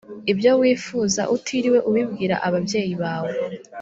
ibyo wifuza utiriwe ubibwira ababyeyi bawe